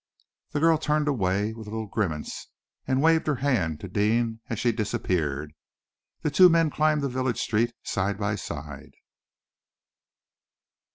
The girl turned away with a little grimace, and waved her hand to Deane as she disappeared. The two men climbed the village street side by side.